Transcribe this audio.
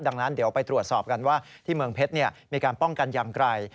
ดังนั้นเดี๋ยวไปตรวจสอบกันว่าที่เมืองเพชรมีการป้องกันอย่างไร